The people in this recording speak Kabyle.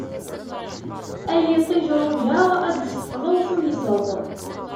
Ay iṭij rujaɣ, ad d-teffleḍ tuyseḍ.